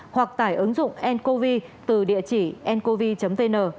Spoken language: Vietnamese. hoặc tải ứng dụng ncovi từ địa chỉ ncovi vn